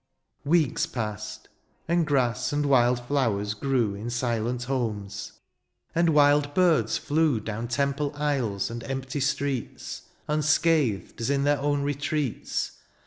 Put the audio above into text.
Weeks passed ; and grass and wild flowers grew In silent homes^ and wild birds flew Down temple aisles, and empty streets. Unscathed as in their own retreats.